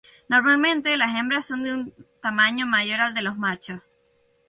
Normalmente, las hembras son de un tamaño mayor al de los machos.